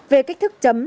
về cách thức chấm